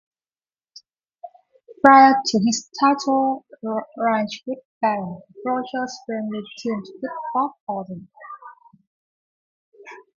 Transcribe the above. Prior to his title reign with Barend, Rogers frequently teamed with Bob Orton.